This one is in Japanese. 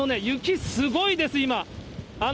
雪、すごいです、今。